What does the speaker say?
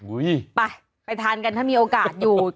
ไปไปทานกันถ้ามีโอกาสอยู่